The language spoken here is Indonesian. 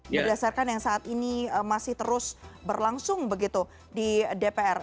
berdasarkan yang saat ini masih terus berlangsung begitu di dpr